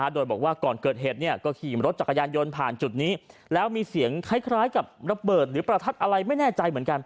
โดยบอกว่าก่อนเกิดเหตุก็ขี่รถจักรยานยนต์ผ่านจุดนี้แล้วมีเสียงคล้ายกับระเบิดหรือประทัดอะไรไม่แน่ใจเหมือนกัน